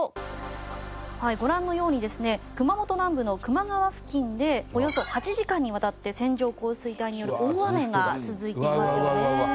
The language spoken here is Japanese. はいご覧のようにですね熊本南部の球磨川付近でおよそ８時間にわたって線状降水帯による大雨が続いていますよね。